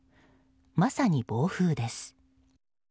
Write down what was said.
まさに暴風です。